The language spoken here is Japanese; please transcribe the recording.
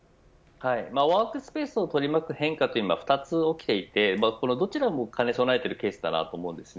ワークスペースを取り巻く変化というのは２つおきていてどちらも兼ね備えているケースだと思います。